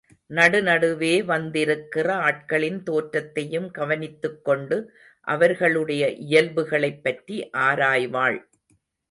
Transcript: நடு நடுவே வந்திருக்கிற ஆட்களின் தோற்றத்தையும் கவனித்துக் கொண்டு, அவர்களுடைய இயல்புகளைப்பற்றி ஆராய்வாள்.